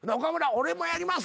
「俺もやります！」